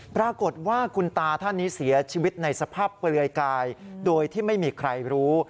ปรากฏว่าคุณตาท่านนี้เสียชีวิตในสภาพเปลือยกายโดยที่ไม่มีใครรู้